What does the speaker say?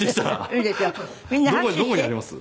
どこにやります？